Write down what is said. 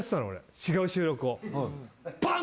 違う収録を。